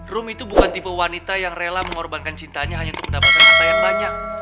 rum itu bukan tipe wanita yang rela mengorbankan cintanya hanya untuk mendapatkan apa yang banyak